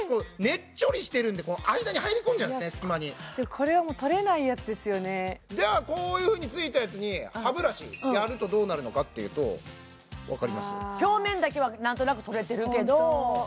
ねっちょりしてるんでこの間に入り込んじゃうんですね隙間にこれはもう取れないやつですよねではこういうふうについたやつに歯ブラシやるとどうなるのかっていうと分かります？